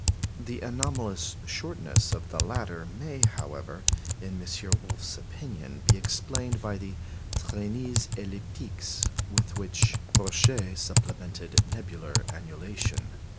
The anomalous shortness of the latter may, however, in M. Wolf's opinion, be explained by the "traînées elliptiques" with which Roche supplemented nebular annulation.